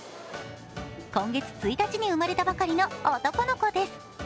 今月１日に生まれたばかりの男の子です。